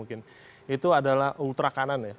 itu adalah ultra kanan ya